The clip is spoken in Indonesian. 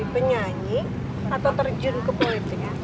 penyanyi atau terjun